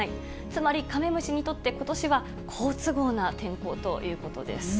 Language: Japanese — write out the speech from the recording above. つまりカメムシにとって、ことしは好都合な天候ということです。